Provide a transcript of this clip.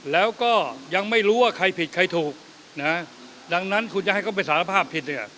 แล้วก็ยังไม่รู้ว่าใครผิดใครถูกนะฮะดังนั้นคุณจะให้เขาไปสารภาพผิดเนี่ย